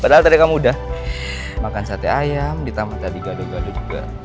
padahal tadi kamu udah makan sate ayam ditambah tadi gado gado juga